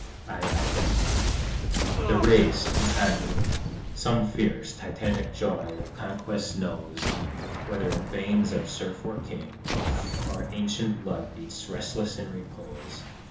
II 2 The race, in conquering, Some fierce, Titanic joy of conquest knows; Whether in veins of serf or king, Our ancient blood beats restless in repose.